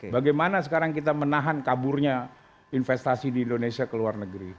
bagaimana sekarang kita menahan kaburnya investasi di indonesia ke luar negeri